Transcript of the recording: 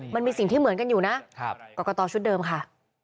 มันมีสิ่งที่เหมือนกันอยู่นะกรกตชุดเดิมค่ะ